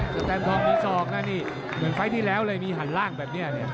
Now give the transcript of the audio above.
แตมทองมีศอกนะนี่เหมือนไฟล์ที่แล้วเลยมีหันล่างแบบนี้เนี่ย